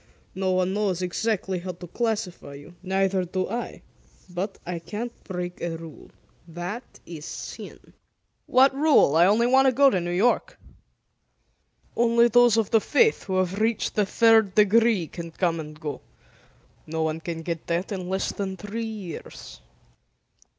No one knows exactly how to classify you. Neither do I. But, I can't break a rule. That is sin." "What rule? I want to go to New York." "Only those of the Faith who have reached the third degree can come and go. No one can get that in less than three years."